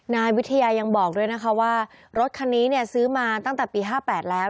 นายวิทยายังบอกด้วยนะคะว่ารถคันนี้เนี่ยซื้อมาตั้งแต่ปี๕๘แล้ว